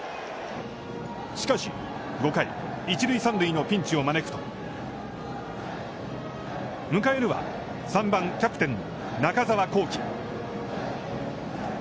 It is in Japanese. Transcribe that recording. しかし、５回一塁三塁のピンチを招くと迎えるは３番、キャプテンの中澤恒貴。